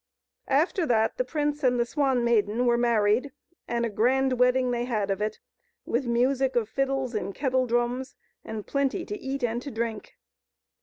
After that the prince and the Swan Maiden were married, and a grand wedding they had of it, with music of fiddles and kettle drums, and plenty to eat and to drink.